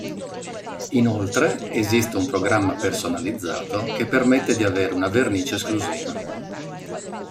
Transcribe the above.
Inoltre, esiste un programma personalizzato che permette di avere una vernice esclusiva.